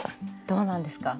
どうなんですか？